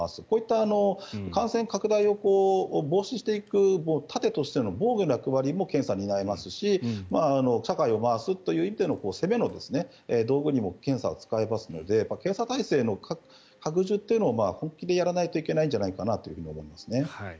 こういった感染拡大を防止していく盾としての防御の役割も検査は担いますし社会を回すという意味での攻めの道具にも検査を使えますので検査体制の拡充というのも本当にやらないといけないんじゃないかと思いますね。